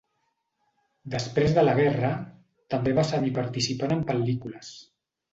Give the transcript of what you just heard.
Després de la guerra, també va seguir participant en pel·lícules.